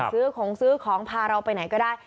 ซื้อของซื้อของพาเราไปไหนก็ได้